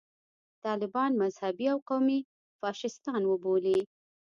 طالبان مذهبي او قومي فاشیستان وبولي.